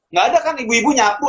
nggak ada kan ibu ibu nyapu